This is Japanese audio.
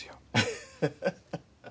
ハハハッ。